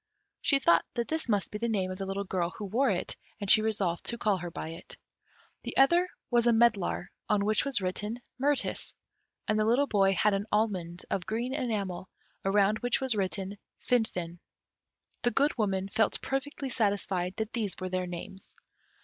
She thought that this must be the name of the little girl who wore it, and she resolved to call her by it. The other was a medlar, on which was written "Mirtis;" and the little boy had an almond of green enamel, around which was written "Finfin." The Good Woman felt perfectly satisfied that these were their names.